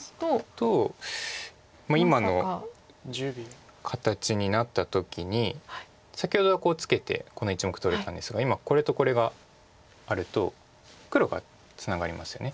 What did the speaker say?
と今の形になった時に先ほどツケてこの１目取れたんですが今これとこれがあると黒がツナがりますよね。